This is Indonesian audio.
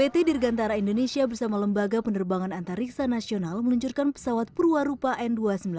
pt dirgantara indonesia bersama lembaga penerbangan antariksa nasional meluncurkan pesawat perwarupa n dua ratus sembilan puluh